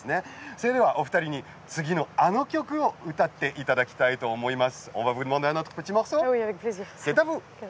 それではお二人に、次のあの曲を歌っていただきたいと思います。